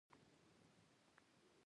زه تر ملګرو لږ وخته ووتم چې جلبۍ واخلم.